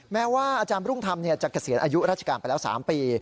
แม้ว่าอาจารย์รุ่งธรรมจะเกษียณอายุราชการไปแล้ว๓ปี